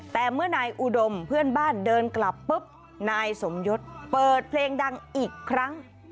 แต่เมื่อนายอุดมเพื่อนบ้านเดินกลับปุ๊บนายสมยศเปิดเพลงดังอีกครั้ง